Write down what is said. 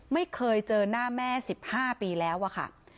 ไม่เคยเจอหน้าแม่๑๕ปีแล้วอะค่ะ